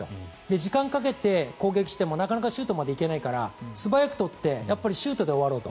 時間をかけて攻撃してもなかなかシュートまで行けないから素早く取ってシュートで終わろうと。